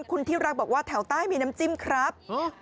คุณที่รักบอกว่าแถวใต้มีน้ำจิ้มครับ